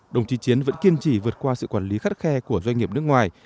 đồng chí chiến vẫn kiên trì vượt qua sự quản lý khắt khe của doanh nghiệp nước ngoài